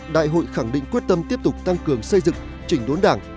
đại hội khẳng định quyết tâm tiếp tục tăng cường xây dựng chỉnh đốn đảng